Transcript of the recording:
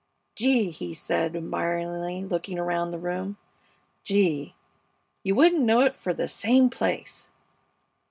"Gee!" he said, admiringly, looking around the room. "Gee! You wouldn't know it fer the same place!"